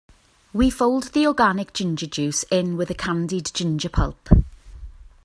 We fold the organic ginger juice in with the candied ginger pulp.